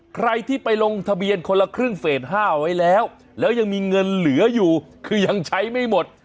ใครที่ไปลงทะเบียนคนละครึ่งเฟส๕ไว้แล้วแล้วยังมีเงินเหลืออยู่คือยังใช้ไม่หมด